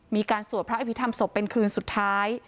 มีการสวดพระอภิษฐ์ทำศพเป็นคืนสุดท้าย